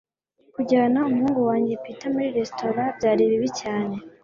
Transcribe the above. Kujyana umuhungu wanjye Peter muri resitora byari bibi cyane